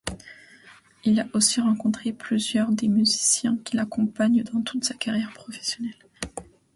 Il a aussi rencontré plusieurs des musiciens qui l’accompagnent dans toute sa carrière professionnelle.